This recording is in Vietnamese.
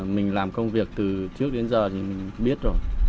mình làm công việc từ trước đến giờ thì mình biết rồi